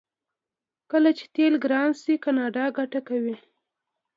کله چې تیل ګران شي کاناډا ګټه کوي.